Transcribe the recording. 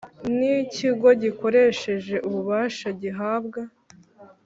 n Ikigo gikoresheje ububasha gihabwa